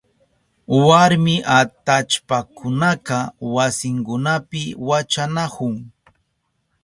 Warmi atallpakunaka wasinkunapi wachanahun.